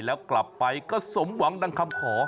แล้วกลับไปก็สมหวังดังคำขอ